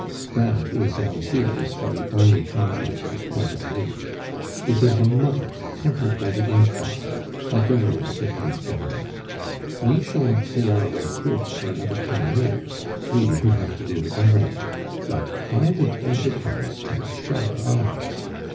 That is Algiers from the army contractor's point of view. "It is a muddle tempered by the ink bottle, like every incipient government. We shall not see our way through it for another ten years we who have to do the governing; but private enterprise has sharp eyes.